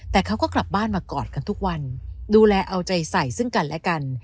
แต่เขาก็กลับบ้านมากอดกันทุกวันดูแลเอาใจใส่ซึ่งกันและกัน